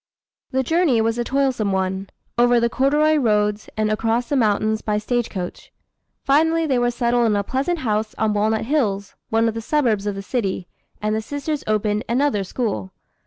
The journey was a toilsome one, over the corduroy roads and across the mountains by stagecoach. Finally they were settled in a pleasant house on Walnut Hills, one of the suburbs of the city, and the sisters opened another school.